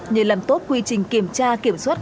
nhờ làm tốt quy trình kiểm tra kiểm soát